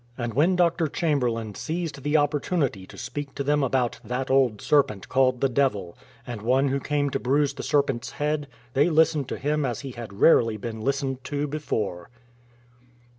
'*' And when Dr. Chamherlain seized the opportunity to speak to them about " that old serpent called the devil,' and One who came to bruise the serpent's head, they listened to him as he had rarely been listened to before.